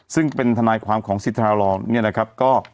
ซึ่งเป็นทนายความของสิทธารองเนี่ยนะครับ